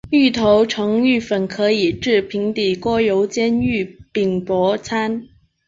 芋头成芋粉可以制平底锅油煎芋饼薄餐。